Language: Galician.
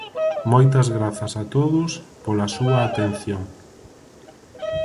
Moitas grazas a todos pola súa atención.